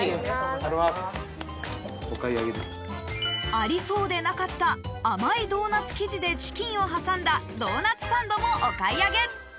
ありそうでなかった甘いドーナツ生地でチキンを挟んだドーナツサンドもお買い上げ